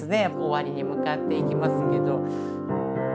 終わりに向かっていきますけど。